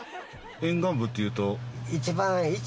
沿岸部っていうと。